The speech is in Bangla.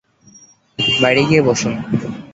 বাইরে গিয়ে বসুন।